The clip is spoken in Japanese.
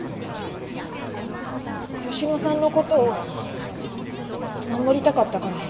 佳乃さんの事を守りたかったから。